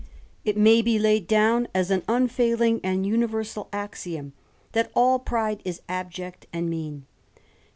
It may be laid down as an unfailing and universal axiom that "all pride is abject and mean."